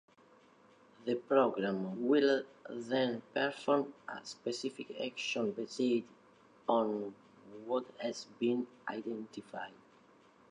The program will then perform a specific action based on what has been identified.